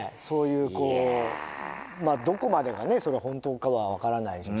そういうこうどこまでがね本当かは分からない。